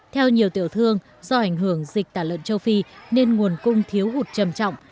theo nhiều tiểu thương do ảnh hưởng dịch tả lợn châu phi nên nguồn cung thiếu hụt trầm trọng